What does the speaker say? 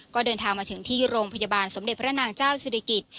ก็เดินทางมาถึงที่โรงพยาบาลสมเด็จพระนางเจ้าศิริกิจ